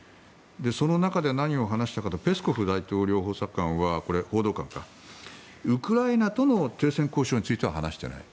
その中で何を話したかペスコフ大統領報道官はウクライナとの停戦交渉については話していない。